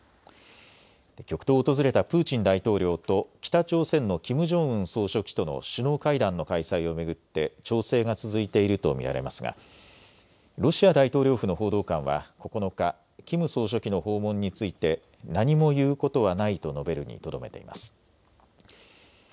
極東を訪れたプーチン大統領と北朝鮮のキム・ジョンウン総書記との首脳会談の開催を巡って調整が続いていると見られますがロシア大統領府の報道官は９日、キム総書記の訪問について何も言うことはないと述べるにとどめています。